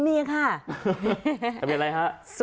ทะเบียนอะไรฮะ